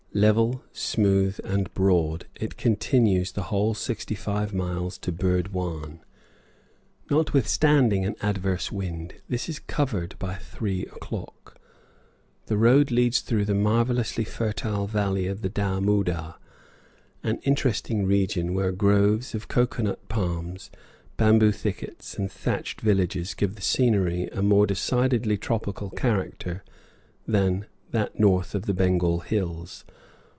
Level, smooth, and broad it continues the whole sixty five miles to Burd wan. Notwithstanding an adverse wind, this is covered by three o'clock. The road leads through the marvellously fertile valley of the Dammoodah, an interesting region where groves of cocoa nut palms, bamboo thickets, and thatched villages give the scenery a more decidedly tropical character than that north of the Bengal hills.